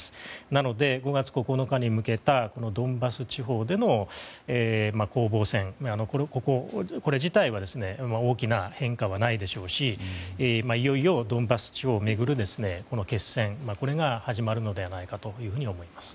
なので、５月９日に向けたドンバス地方での攻防戦、これ自体は大きな変化はないでしょうしいよいよドンバス地方を巡る決戦これが、始まるのではないかと思います。